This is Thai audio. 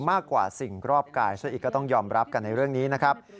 มากกว่าสิ่งรอบกายซะอีกก็ต้องยอมรับกันในเรื่องนี้นะครับ